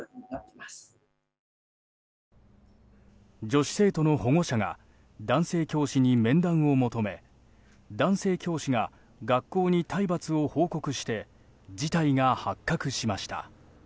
女子生徒の保護者が男性教師に面談を求め男性教師が学校に体罰を報告して事態が発覚しました。